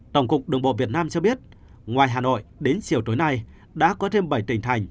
tổng cục đường bộ việt nam cho biết ngoài hà nội đến chiều tối nay đã có thêm bảy tỉnh thành